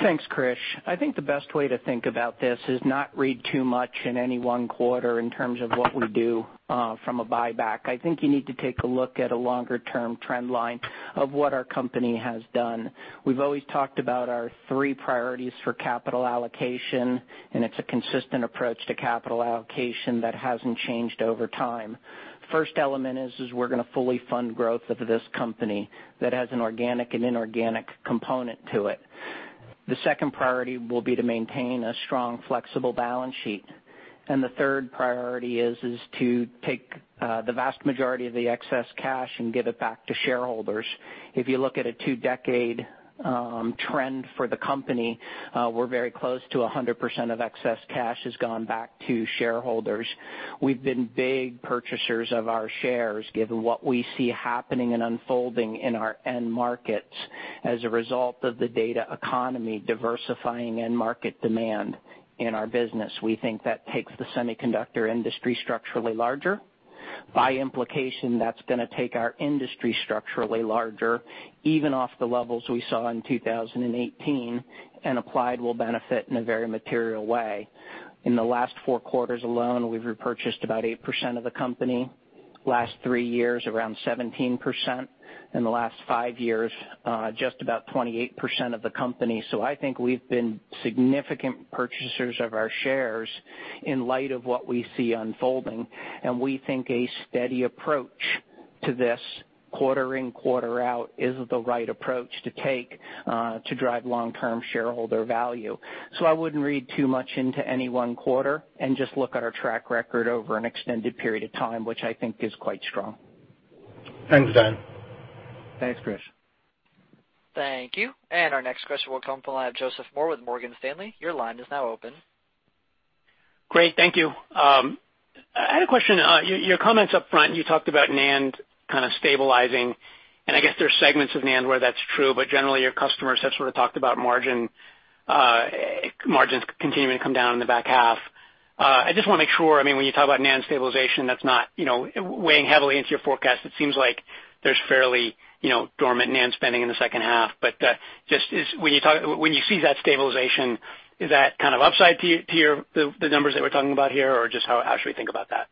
Thanks, Krish. I think the best way to think about this is not read too much in any one quarter in terms of what we do from a buyback. I think you need to take a look at a longer-term trend line of what our company has done. We've always talked about our three priorities for capital allocation, it's a consistent approach to capital allocation that hasn't changed over time. First element is we're going to fully fund growth of this company that has an organic and inorganic component to it. The second priority will be to maintain a strong, flexible balance sheet. The third priority is to take the vast majority of the excess cash and give it back to shareholders. If you look at a two-decade trend for the company, we're very close to 100% of excess cash has gone back to shareholders. We've been big purchasers of our shares, given what we see happening and unfolding in our end markets as a result of the data economy diversifying end market demand in our business. We think that takes the semiconductor industry structurally larger. By implication, that's going to take our industry structurally larger, even off the levels we saw in 2018. Applied will benefit in a very material way. In the last 4 quarters alone, we've repurchased about 8% of the company. Last 3 years, around 17%. In the last 5 years, just about 28% of the company. I think we've been significant purchasers of our shares in light of what we see unfolding, we think a steady approach to this quarter in, quarter out is the right approach to take to drive long-term shareholder value. I wouldn't read too much into any one quarter and just look at our track record over an extended period of time, which I think is quite strong. Thanks, Dan. Thanks, Krish. Thank you. Our next question will come from the line of Joseph Moore with Morgan Stanley. Your line is now open. Great. Thank you. I had a question. Your comments up front, you talked about NAND kind of stabilizing. I guess there's segments of NAND where that's true, but generally, your customers have sort of talked about margins continuing to come down in the back half. I just want to make sure, when you talk about NAND stabilization, that's not weighing heavily into your forecast. It seems like there's fairly dormant NAND spending in the second half. When you see that stabilization, is that kind of upside to the numbers that we're talking about here, or just how should we think about that?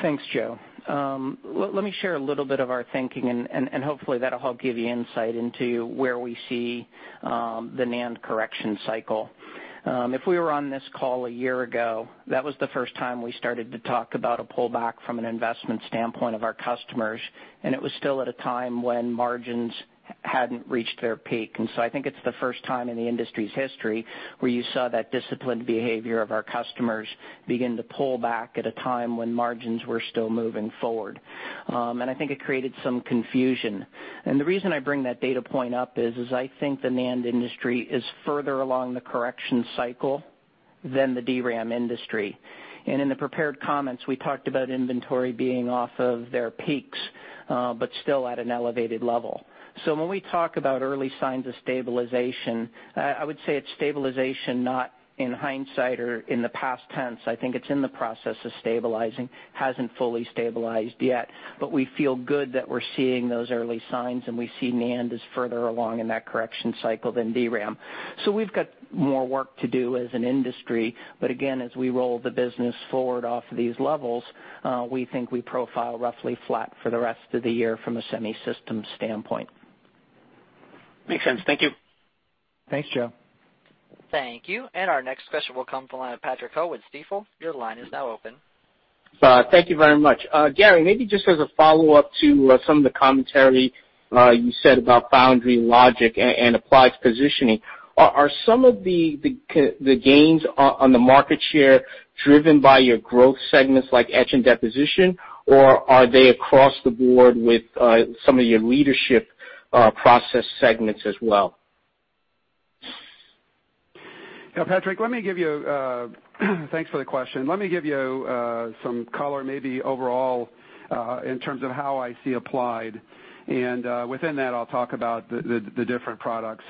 Thanks, Joe. Let me share a little bit of our thinking. Hopefully, that'll help give you insight into where we see the NAND correction cycle. If we were on this call a year ago, that was the first time we started to talk about a pullback from an investment standpoint of our customers. It was still at a time when margins hadn't reached their peak. I think it's the first time in the industry's history where you saw that disciplined behavior of our customers begin to pull back at a time when margins were still moving forward. I think it created some confusion. The reason I bring that data point up is, I think the NAND industry is further along the correction cycle than the DRAM industry. In the prepared comments, we talked about inventory being off of their peaks, still at an elevated level. When we talk about early signs of stabilization, I would say it's stabilization, not in hindsight or in the past tense. I think it's in the process of stabilizing. Hasn't fully stabilized yet, we feel good that we're seeing those early signs. We see NAND is further along in that correction cycle than DRAM. We've got more work to do as an industry, again, as we roll the business forward off of these levels, we think we profile roughly flat for the rest of the year from a semi-system standpoint. Makes sense. Thank you. Thanks, Joe. Thank you. Our next question will come from the line of Patrick Ho with Stifel. Your line is now open. Thank you very much. Gary, maybe just as a follow-up to some of the commentary you said about foundry logic and Applied's positioning. Are some of the gains on the market share driven by your growth segments like etch and deposition, or are they across the board with some of your leadership process segments as well? Patrick, thanks for the question. Let me give you some color, maybe overall, in terms of how I see Applied, and within that, I'll talk about the different products.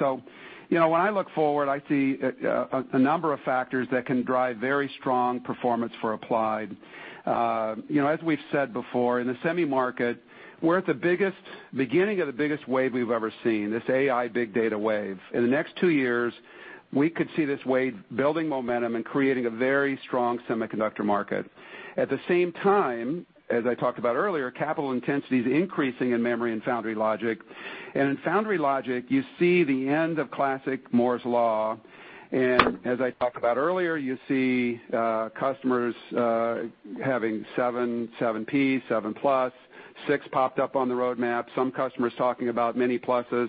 When I look forward, I see a number of factors that can drive very strong performance for Applied. As we've said before, in the semi market, we're at the beginning of the biggest wave we've ever seen, this AI big data wave. In the next two years, we could see this wave building momentum and creating a very strong semiconductor market. At the same time, as I talked about earlier, capital intensity is increasing in memory and foundry logic, and in foundry logic, you see the end of classic Moore's Law. As I talked about earlier, you see customers having 7P, 7 plus, 6 popped up on the roadmap, some customers talking about many pluses.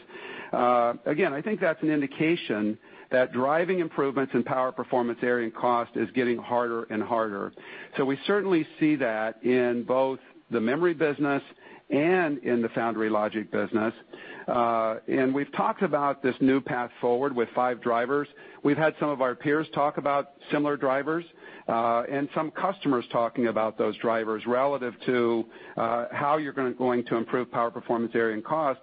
I think that's an indication that driving improvements in power, performance, area, and cost is getting harder and harder. We certainly see that in both the memory business and in the foundry logic business. We've talked about this new path forward with five drivers. We've had some of our peers talk about similar drivers, and some customers talking about those drivers relative to how you're going to improve power, performance, area, and cost.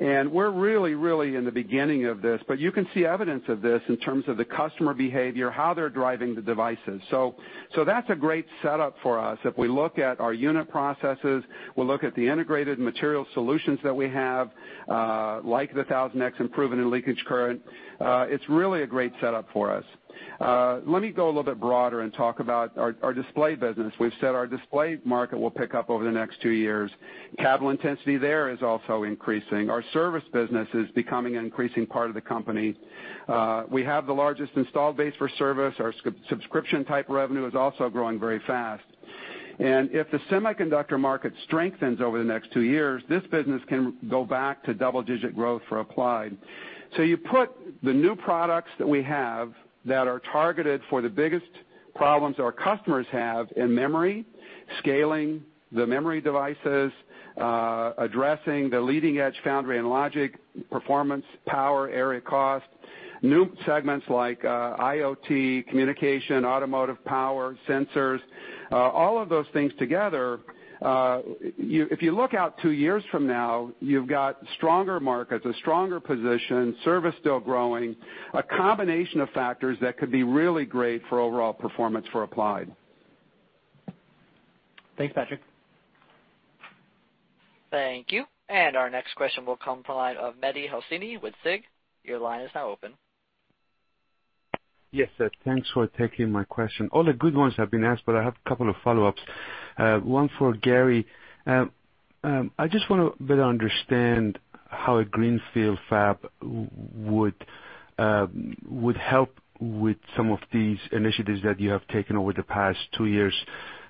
We're really in the beginning of this, but you can see evidence of this in terms of the customer behavior, how they're driving the devices. That's a great setup for us. If we look at our unit processes, we look at the integrated material solutions that we have, like the 1000X improvement in leakage current, it's really a great setup for us. Let me go a little bit broader and talk about our display business. We've said our display market will pick up over the next two years. Capital intensity there is also increasing. Our service business is becoming an increasing part of the company. We have the largest installed base for service. Our subscription type revenue is also growing very fast. If the semiconductor market strengthens over the next two years, this business can go back to double-digit growth for Applied. You put the new products that we have that are targeted for the biggest problems our customers have in memory, scaling the memory devices, addressing the leading-edge foundry and logic, performance, power, area cost, new segments like IoT, communication, automotive power, sensors, all of those things together. If you look out two years from now, you've got stronger markets, a stronger position, service still growing, a combination of factors that could be really great for overall performance for Applied. Thanks, Patrick. Thank you. Our next question will come from the line of Mehdi Hosseini with SIG. Your line is now open. Yes, sir. Thanks for taking my question. All the good ones have been asked. I have a couple of follow-ups. One for Gary. I just want to better understand how a greenfield fab would help with some of these initiatives that you have taken over the past two years,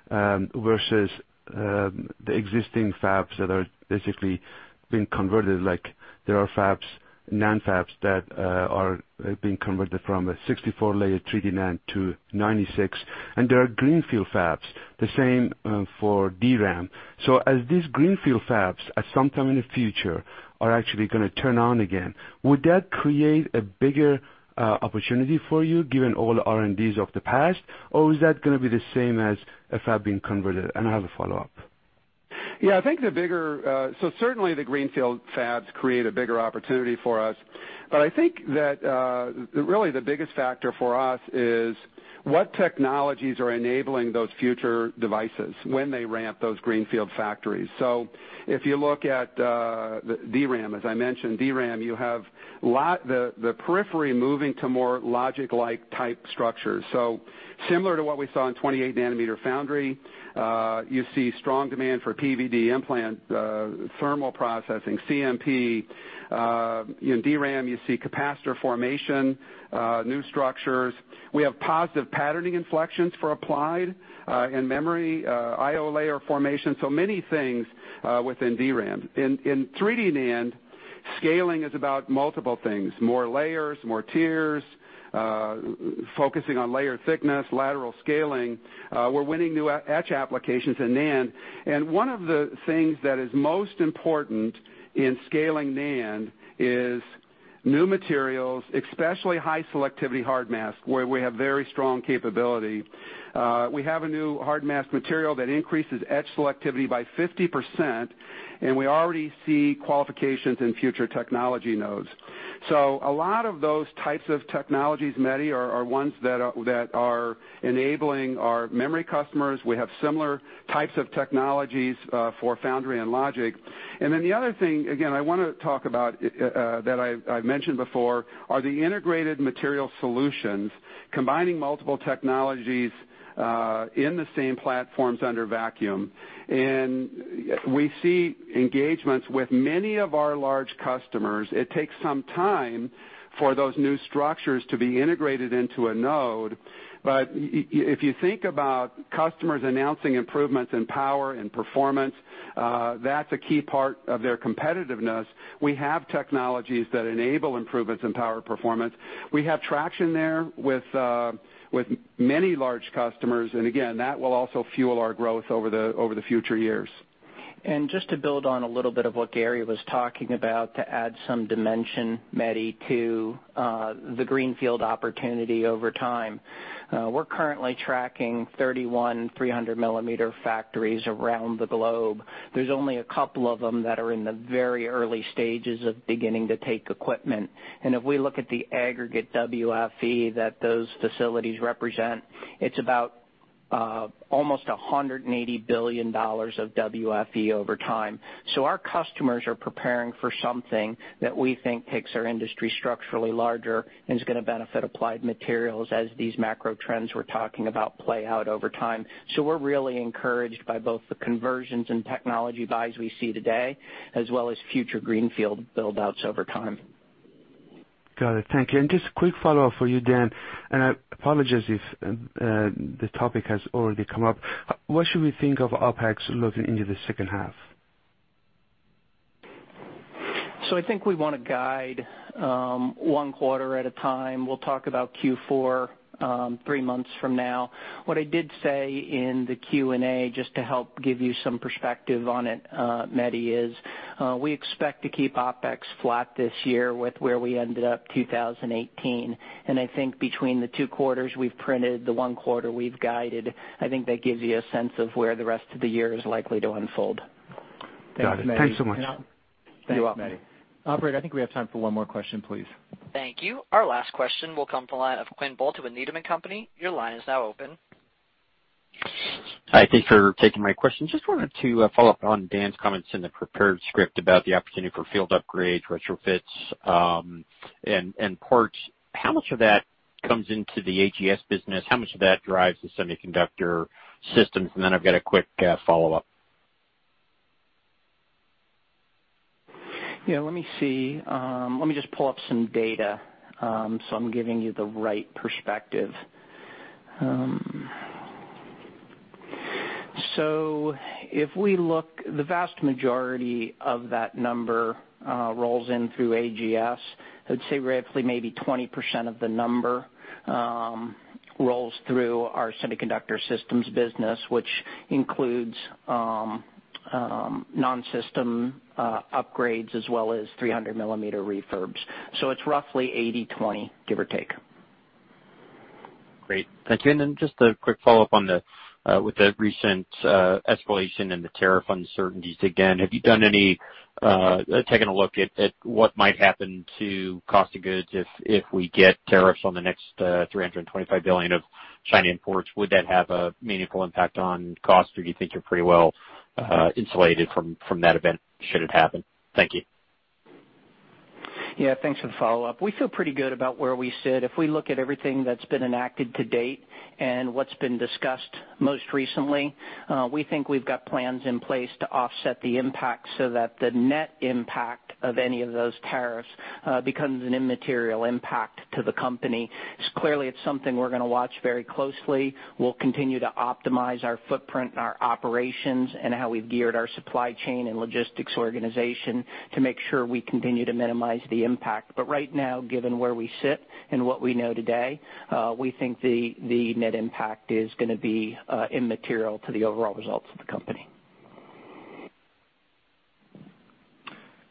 versus the existing fabs that are basically being converted, like there are fabs, NAND fabs, that are being converted from a 64-layer 3D NAND to 96, and there are greenfield fabs, the same for DRAM. As these greenfield fabs, at some time in the future, are actually going to turn on again, would that create a bigger opportunity for you given all the R&Ds of the past, or is that going to be the same as a fab being converted? I have a follow-up. Certainly the greenfield fabs create a bigger opportunity for us. I think that really the biggest factor for us is what technologies are enabling those future devices when they ramp those greenfield factories. If you look at the DRAM, as I mentioned, DRAM, you have the periphery moving to more logic-like type structures. Similar to what we saw in 28-nanometer foundry, you see strong demand for PVD implant, thermal processing, CMP. In DRAM, you see capacitor formation, new structures. We have positive patterning inflections for Applied in memory, IO layer formation, so many things within DRAM. In 3D NAND, scaling is about multiple things, more layers, more tiers focusing on layer thickness, lateral scaling. We're winning new etch applications in NAND. One of the things that is most important in scaling NAND is new materials, especially high selectivity hard mask, where we have very strong capability. We have a new hard mask material that increases etch selectivity by 50%, and we already see qualifications in future technology nodes. A lot of those types of technologies, Mehdi, are ones that are enabling our memory customers. We have similar types of technologies for foundry and logic. The other thing, again, I want to talk about that I've mentioned before are the integrated material solutions, combining multiple technologies in the same platforms under vacuum. We see engagements with many of our large customers. It takes some time for those new structures to be integrated into a node. If you think about customers announcing improvements in power and performance, that's a key part of their competitiveness. We have technologies that enable improvements in power performance. We have traction there with many large customers, and again, that will also fuel our growth over the future years. Just to build on a little bit of what Gary was talking about, to add some dimension, Mehdi, to the greenfield opportunity over time. We're currently tracking 31 300-millimeter factories around the globe. There's only a couple of them that are in the very early stages of beginning to take equipment. If we look at the aggregate WFE that those facilities represent, it's about almost $180 billion of WFE over time. Our customers are preparing for something that we think takes our industry structurally larger and is going to benefit Applied Materials as these macro trends we're talking about play out over time. We're really encouraged by both the conversions and technology buys we see today, as well as future greenfield build-outs over time. Got it. Thank you. Just a quick follow-up for you, Dan, and I apologize if the topic has already come up. What should we think of OpEx looking into the second half? I think we want to guide one quarter at a time. We'll talk about Q4 three months from now. What I did say in the Q&A, just to help give you some perspective on it, Mehdi, is we expect to keep OpEx flat this year with where we ended up 2018. I think between the two quarters we've printed, the one quarter we've guided, I think that gives you a sense of where the rest of the year is likely to unfold. Got it. Thanks so much. You welcome. Thanks, Mehdi. Operator, I think we have time for one more question, please. Thank you. Our last question will come to the line of Quinn Bolton with Needham & Company. Your line is now open. Hi, thank you for taking my question. Just wanted to follow up on Dan's comments in the prepared script about the opportunity for field upgrades, retrofits, and ports. How much of that comes into the AGS business? How much of that drives the semiconductor systems? I've got a quick follow-up. Yeah, let me see. Let me just pull up some data, so I'm giving you the right perspective. If we look, the vast majority of that number rolls in through AGS. I'd say roughly maybe 20% of the number rolls through our semiconductor systems business, which includes non-system upgrades as well as 300 millimeter refurbs. It's roughly 80/20, give or take. Great. Thank you. Just a quick follow-up with the recent escalation and the tariff uncertainties again, have you taken a look at what might happen to cost of goods if we get tariffs on the next 325 billion of Chinese imports? Would that have a meaningful impact on cost, or do you think you're pretty well-insulated from that event, should it happen? Thank you. Yeah, thanks for the follow-up. We feel pretty good about where we sit. If we look at everything that's been enacted to date and what's been discussed most recently, we think we've got plans in place to offset the impact so that the net impact of any of those tariffs becomes an immaterial impact to the company. Clearly, it's something we're going to watch very closely. We'll continue to optimize our footprint and our operations and how we've geared our supply chain and logistics organization to make sure we continue to minimize the impact. Right now, given where we sit and what we know today, we think the net impact is going to be immaterial to the overall results of the company.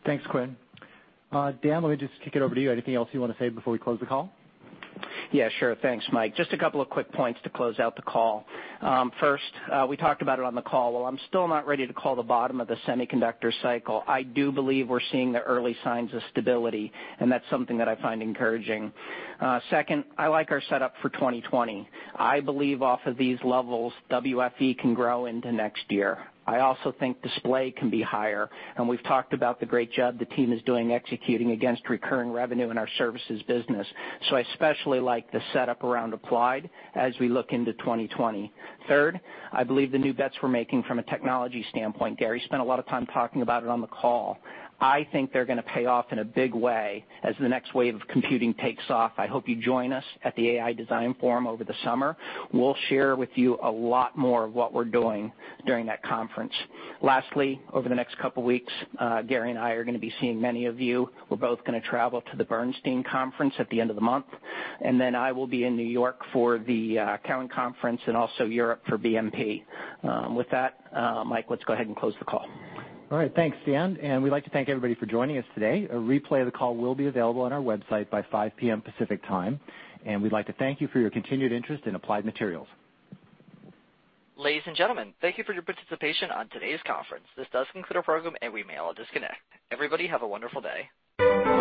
Thanks, Quinn. Dan, let me just kick it over to you. Anything else you want to say before we close the call? Yeah, sure. Thanks, Mike. Just a couple of quick points to close out the call. First, we talked about it on the call. While I'm still not ready to call the bottom of the semiconductor cycle, I do believe we're seeing the early signs of stability, and that's something that I find encouraging. Second, I like our setup for 2020. I believe off of these levels, WFE can grow into next year. I also think display can be higher, and we've talked about the great job the team is doing executing against recurring revenue in our services business. I especially like the setup around Applied as we look into 2020. Third, I believe the new bets we're making from a technology standpoint, Gary spent a lot of time talking about it on the call. I think they're going to pay off in a big way as the next wave of computing takes off. I hope you join us at the AI Design Forum over the summer. We'll share with you a lot more of what we're doing during that conference. Lastly, over the next couple of weeks, Gary and I are going to be seeing many of you. We're both going to travel to the Bernstein conference at the end of the month. Then I will be in New York for the Cowen Conference and also Europe for BNP. With that, Mike, let's go ahead and close the call. All right. Thanks, Dan. We'd like to thank everybody for joining us today. A replay of the call will be available on our website by 5:00 P.M. Pacific Time. We'd like to thank you for your continued interest in Applied Materials. Ladies and gentlemen, thank you for your participation on today's conference. This does conclude our program. We may all disconnect. Everybody, have a wonderful day.